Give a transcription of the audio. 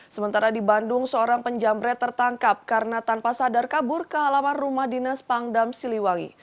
sementara di bandung seorang penjamret tertangkap karena tanpa sadar kabur ke halaman rumah dinas pangdam siliwangi